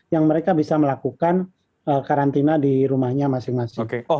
yang mereka bisa melakukan karantina di rumahnya masing masing